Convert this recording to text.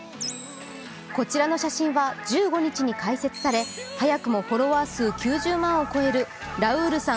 こちらの写真は１５日に開設され早くもフォロワー数９０万を超えるラウールさん